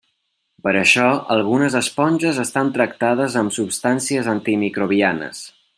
Per això algunes esponges estan tractades amb substàncies antimicrobianes.